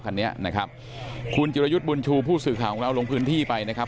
คันนี้นะครับคุณจิรยุทธ์บุญชูผู้สื่อข่าวของเราลงพื้นที่ไปนะครับ